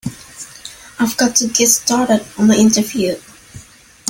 I've got to get started on my interview.